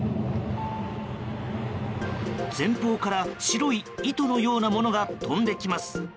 前方から白い糸のようなものが飛んできます。